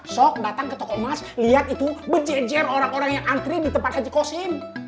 sok datang ke toko emas lihat itu berjejer orang orang yang antri di tempat haji kosim